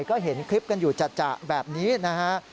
ก็เห็นคลิปกันอยู่จัดแบบนี้นะฮะ